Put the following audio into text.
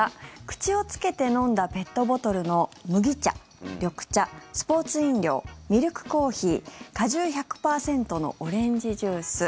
口をつけて飲んだペットボトルの麦茶、緑茶スポーツ飲料、ミルクコーヒー果汁１００％のオレンジジュース